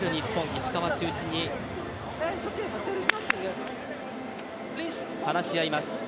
石川中心に話し合います。